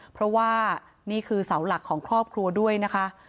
เพราะว่านี่คือเสาหลักของครอบครัวด้วยนะคะ